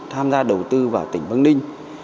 tham gia đầu tư vào tỉnh bắc ninh